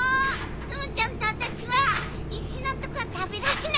ツムちゃんとあたしはいしのとこはたべられなかった。